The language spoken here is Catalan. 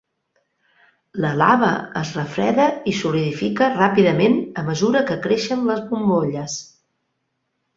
La lava es refreda i solidifica ràpidament a mesura que creixen les bombolles.